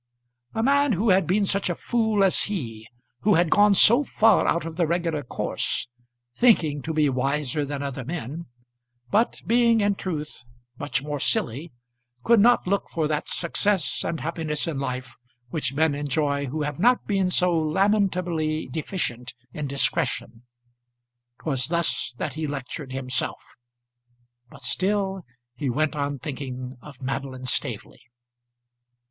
A man who had been such a fool as he, who had gone so far out of the regular course, thinking to be wiser than other men, but being in truth much more silly, could not look for that success and happiness in life which men enjoy who have not been so lamentably deficient in discretion! 'Twas thus that he lectured himself; but still he went on thinking of Madeline Staveley.